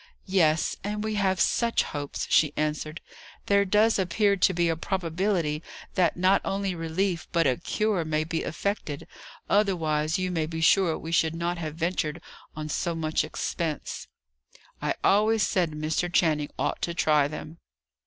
"Yes, and we have such hopes!" she answered. "There does appear to be a probability that not only relief, but a cure, may be effected; otherwise, you may be sure we should not have ventured on so much expense." "I always said Mr. Channing ought to try them."